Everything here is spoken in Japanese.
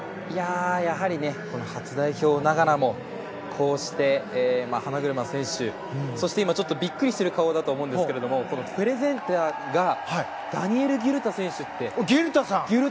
やはり初代表ながらもこうして、花車選手そして今、ちょっとビックリしている顔だと思いますがプレゼンターがダニエル・ギュルタ選手。